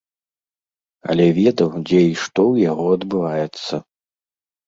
Але ведаў, дзе і што ў яго адбываецца.